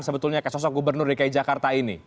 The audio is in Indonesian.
sebetulnya ke sosok gubernur dki jakarta ini